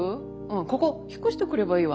ここ引っ越してくればいいわ。